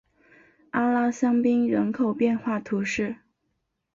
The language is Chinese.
阿拉香槟人口变化图示